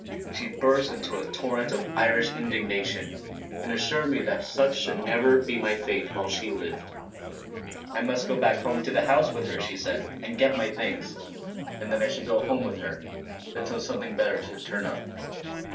She burst into a torrent of Irish indignation, and assured me that such should never be my fate while she lived. I must go back to the house with her, she said, and get my things; and then I should go home with her, until something better should turn up.